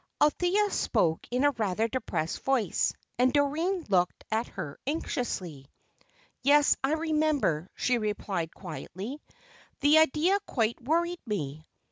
Althea spoke in rather a depressed voice, and Doreen looked at her anxiously. "Yes, I remember," she replied, quietly. "The idea quite worried me.